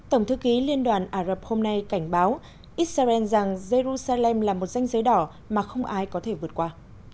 tổng thư ký liên đoàn ả rập hôm nay cảnh báo israel rằng jerusalem là một danh giới đỏ mà không ai có thể vượt qua